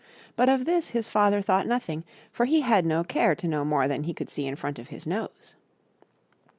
But of this his father thought nothing, for he had no care to know more than he could see in front of his nose.